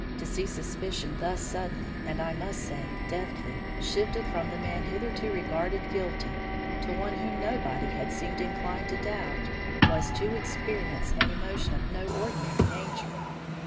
To see suspicion thus suddenly, and, I must say, deftly, shifted from the man hitherto regarded guilty to one whom nobody had seemed inclined to doubt, was to experience an emotion of no ordinary nature.